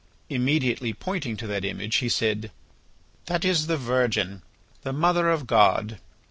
Immediately pointing to that image he said: "That is the Virgin, the mother of God.